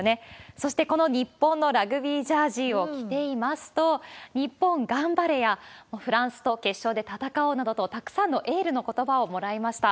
そして、この日本のラグビージャージを着ていますと、日本頑張れや、フランスと決勝で戦おうなどと、たくさんのエールのことばをもらいました。